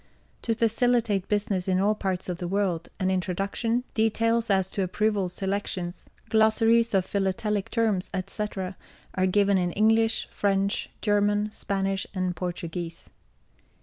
To facilitate business in all parts of the world, an Introduction, Details as to Approval Selections, Glossaries of Philatelic Terms, etc., are given in English, French, German, Spanish, and Portuguese.